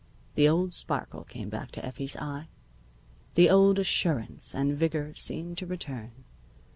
The old sparkle came back to Effie's eye. The old assurance and vigor seemed to return.